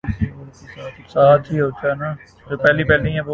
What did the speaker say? لہذا انکی معاملات پر گرفت اور کامیابی کا گراف ہمیشہ آسمان کی بلندیوں پر رہتا ہے